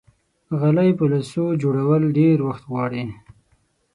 غلۍ په لاسو جوړول ډېر وخت غواړي.